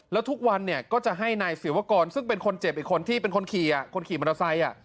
แล้วทุกวันเนี่ยก็จะให้นายศิวกรซึ่งเป็นคนเจ็บอีกคนที่เป็นคนขี่คนขี่มอเตอร์ไซค์